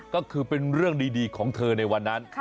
ก็คือเป็นเรื่องดีของเธอในวันนั้น